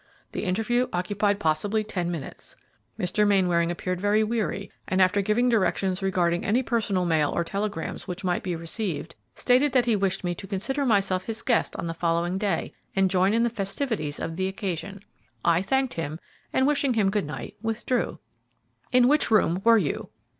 The interview occupied possibly ten minutes. Mr. Mainwaring appeared very weary, and, after giving directions regarding any personal mail or telegrams which might be received, stated that he wished me to consider myself his guest on the following day and join in the festivities of the occasion. I thanked him, and, wishing him good night, withdrew." "In which room were you?"